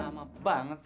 nama banget sih